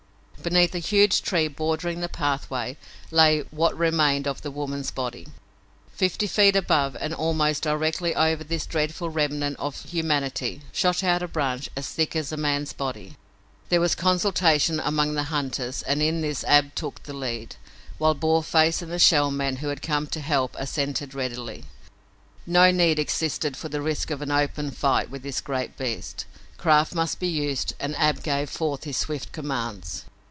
Beneath a huge tree bordering the pathway lay what remained of the woman's body. Fifty feet above, and almost directly over this dreadful remnant of humanity, shot out a branch as thick as a man's body. There was consultation among the hunters and in this Ab took the lead, while Boarface and the Shell Men who had come to help assented readily. No need existed for the risk of an open fight with this great beast. Craft must be used and Ab gave forth his swift commands.